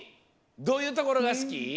どういうところがすき？